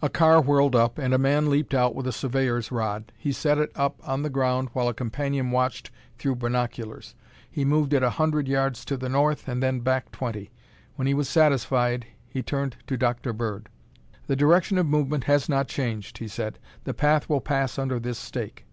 A car whirled up and a man leaped out with a surveyor's rod. He set it up on the ground while a companion watched through binoculars. He moved it a hundred yards to the north and then back twenty. When he was satisfied he turned to Dr. Bird. "The direction of movement has not changed," he said. "The path will pass under this stake."